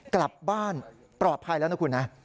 กลับบ้านปลอดภัยแล้วนะคุณนะ